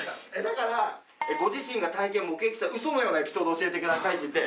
だから「ご自身が体験・目撃した嘘のようなエピソードを教えてください」って言って。